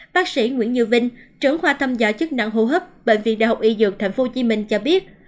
bác sĩ nguyễn như vinh trưởng khoa thăm gia chức năng hô hấp bệnh viện đại học y dược tp hcm cho biết